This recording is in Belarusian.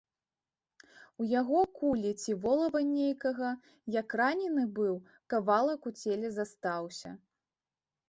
У яго кулі ці волава нейкага, як ранены быў, кавалак у целе астаўся.